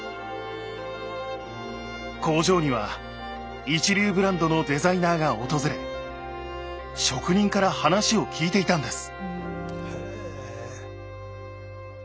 工場には一流ブランドのデザイナーが訪れ職人から話を聞いていたんです。